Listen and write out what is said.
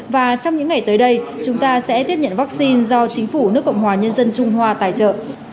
và trong những ngày tới đây chúng ta sẽ tiếp nhận vaccine do chính phủ nước cộng hòa nhân dân trung hoa tài trợ